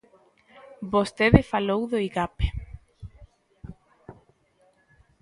Vostede falou do Igape.